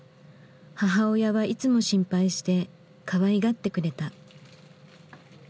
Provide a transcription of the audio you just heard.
母親はいつも心配してかわいがってくれた。